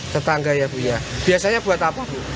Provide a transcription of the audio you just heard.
tetangga ya bu ya biasanya buat apa bu